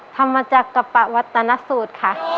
ภะมัจจักรปะวัตตนสูตรค่ะ